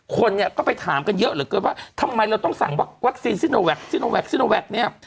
คนเนี่ยก็ไปถามกันเยอะเหลือเกินว่าทำไมเราต้องสั่งวัคซีนซิโนแวคซิโนแคคซิโนแวคเนี่ย